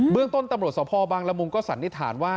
เรื่องต้นตำรวจสภบางละมุงก็สันนิษฐานว่า